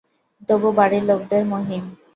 তবু বাড়ির লোকদের– মহিম।